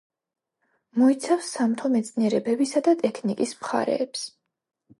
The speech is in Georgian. მოიცავს სამთო მეცნიერებებისა და ტექნიკის მხარეებს.